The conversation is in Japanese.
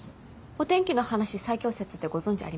「お天気の話最強説」ってご存じありません？